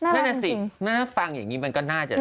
นั่นล่ะสิฟังแบบนี้ก็น่าจะจริง